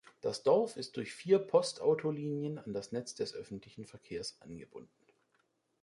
Das Dorf ist durch vier Postautolinien an das Netz des öffentlichen Verkehrs angebunden.